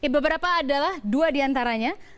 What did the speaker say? beberapa adalah dua di antaranya